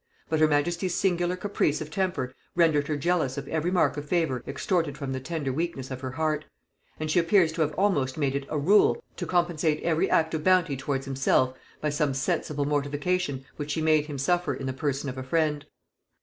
But her majesty's singular caprice of temper rendered her jealous of every mark of favor extorted from the tender weakness of her heart; and she appears to have almost made it a rule to compensate every act of bounty towards himself, by some sensible mortification which she made him suffer in the person of a friend.